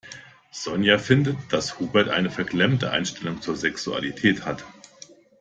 Sonja findet, dass Hubert eine verklemmte Einstellung zur Sexualität hat.